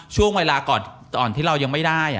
ช่วงเวลาก่อนที่เรายังไม่ได้